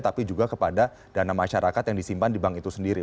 tapi juga kepada dana masyarakat yang disimpan di bank itu sendiri